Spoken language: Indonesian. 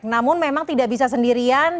namun memang tidak bisa sendirian